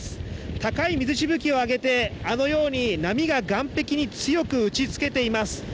高い水しぶきを上げてあのように波が岸壁に強く打ち付けています。